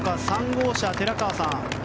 ３号車、寺川さん。